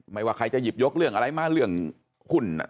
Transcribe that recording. ว่าใครจะหยิบยกเรื่องอะไรมาเรื่องหุ้น